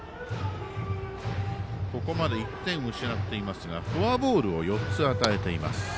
ここまで、１点を失っていますがフォアボールを４つ与えています。